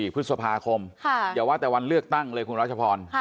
พฤษภาคมอย่าว่าแต่วันเลือกตั้งเลยคุณรัชพร